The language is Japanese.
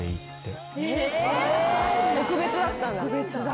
特別だったんだ。